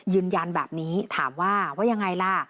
ยืนยันแบบนี้ถามว่าว่ายังไงล่ะ